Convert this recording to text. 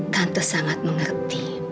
tante sangat mengerti